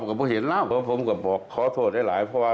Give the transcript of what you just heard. ก็ไปยิงเบอร์โทรไว้